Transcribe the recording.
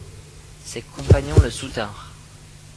Ses compagnons le soutinrent.